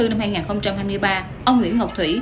năm hai nghìn hai mươi ba ông nguyễn ngọc thủy